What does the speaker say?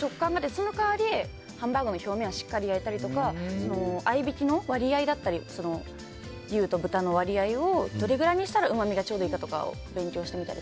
その代わり、ハンバーグの表面をしっかり焼いたり合いびきの割合だったり牛と豚の割合をどれぐらいにしたら、うまみがちょうどいいか勉強してみたり。